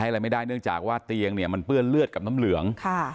อะไรไม่ได้เนื่องจากว่าเตียงเนี่ยมันเปื้อนเลือดกับน้ำเหลือง